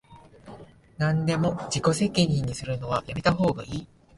なんでも自己責任にするのはやめたほうがいい